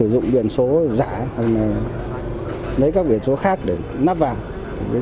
dùng biển số giả hoặc là lấy các biển số khác để nắp vào